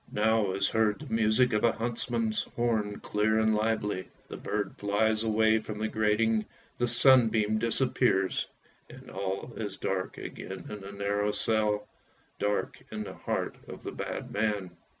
Now is heard the music of a huntsman's horn clear and lively, the bird flies away from the grating, the sunbeam disappears and all is dark again in the narrow cell, dark in the heart of the bad man.